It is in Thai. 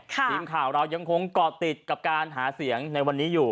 ทีมข่าวเรายังคงก่อติดกับการหาเสียงในวันนี้อยู่